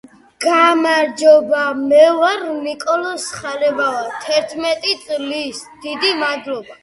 კომპანიამ სახელი ბუდისტური ღვთაების, კანონის პატივსაცემად მიიღო.